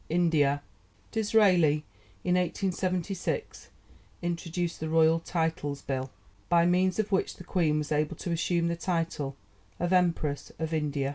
INDIA Disraeli, in 1876, introduced the Royal Titles Bill, by means of which the Queen was able to assume the title of Empress of India.